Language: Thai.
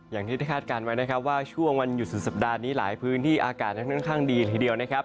อย่างที่ได้คาดการณ์ไว้นะครับว่าช่วงวันหยุดสุดสัปดาห์นี้หลายพื้นที่อากาศนั้นค่อนข้างดีเลยทีเดียวนะครับ